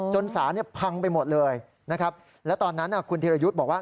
สารเนี่ยพังไปหมดเลยนะครับและตอนนั้นคุณธิรยุทธ์บอกว่า